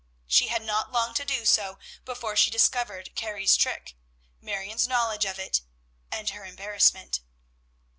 She had not long to do so before she discovered Carrie's trick, Marion's knowledge of it, and her embarrassment.